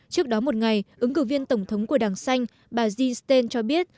trước đó một ngày ứng cử viên tổng thống của đảng xanh bà jean stein cho biết